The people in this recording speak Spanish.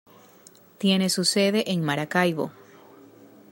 Tiene su sede en Maracaibo.